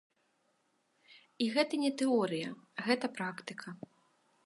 І гэта не тэорыя, гэта практыка.